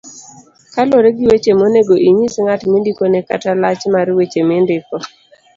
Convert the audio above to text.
kaluwore gi weche monego inyis ng'at mindikone kata lach mar weche mindiko